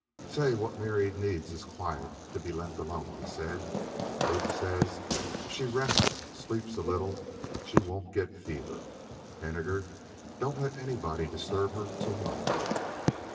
"Say, what Mary needs is quiet to be left alone," he said. "Ruth says if she rests, sleeps a little, she won't get fever.... Henninger, don't let anybody disturb her till night."